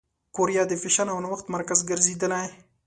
کوریا د فېشن او نوښت مرکز ګرځېدلې.